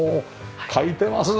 書いてますね！